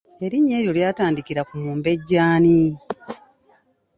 Erinnya eryo lyatandikira ku Mumbejja ani?